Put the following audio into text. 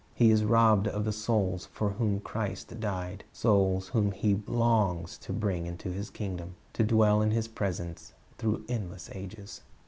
He is robbed of the souls for whom Christ died, souls whom He longs to bring into His kingdom, to dwell in His presence through endless ages.